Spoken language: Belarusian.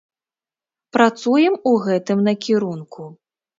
Працуем у гэтым накірунку.